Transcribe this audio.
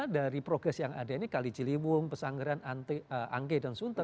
dari progres yang ada ini kali ciliwung pesanggaran angke dan sunter